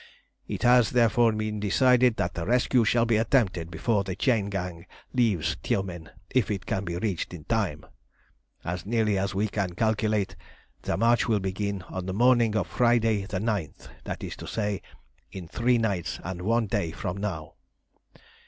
"It has, therefore, been decided that the rescue shall be attempted before the chain gang leaves Tiumen, if it can be reached in time. As nearly as we can calculate, the march will begin on the morning of Friday the 9th, that is to say, in three nights and one day from now.